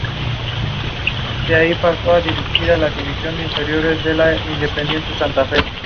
El video musical para "Mr.